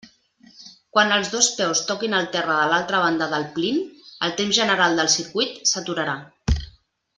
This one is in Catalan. Quan els dos peus toquin al terra de l'altra banda del plint, el temps general del circuit s'aturarà.